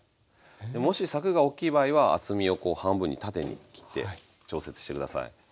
もしさくが大きい場合は厚みを半分に縦に切って調節して下さい。